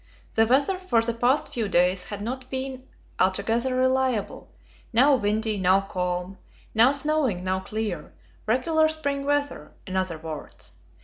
The weather for the past few days had not been altogether reliable; now windy, now calm now snowing, now clear: regular spring weather, in other words.